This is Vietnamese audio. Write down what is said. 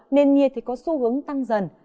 nền nhiệt có xu hướng tăng dần